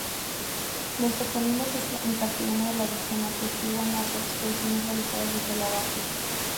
Los topónimos en castellano de la región atestiguan las expediciones realizadas desde la base.